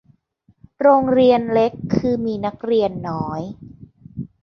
โรงเรียนเล็กคือมีนักเรียนน้อย